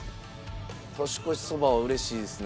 年越しそばは嬉しいですね。